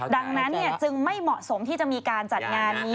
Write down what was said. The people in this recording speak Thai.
ดังนั้นจึงไม่เหมาะสมที่จะมีการจัดงานนี้